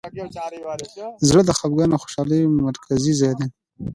زړه د خفګان او خوشحالۍ مرکزي ځای دی.